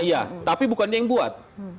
iya tapi bukan dia yang buat